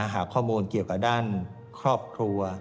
หาข้อมูลเกี่ยวกับด้านครอบครัว